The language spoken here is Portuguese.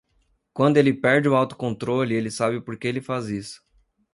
Quando ele perde o autocontrole, ele sabe por que ele faz isso.